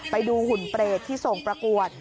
ไปดูหุ่นเปรตที่ส่งประกวด